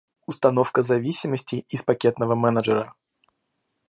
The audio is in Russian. Установка зависимостей из пакетного менеджера